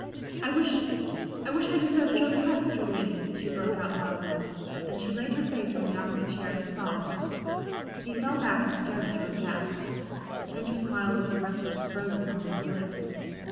"I wish I wish I deserved your trust, Julian," she broke out, wildly. Then she laid her face on the arm of the chair and sobbed. He fell back and stared at her aghast. The tender smile was arrested, frozen on his lips.